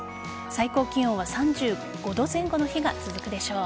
最高気温は３５度前後の日が続くでしょう。